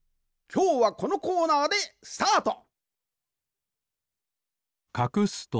きょうはこのコーナーでスタート！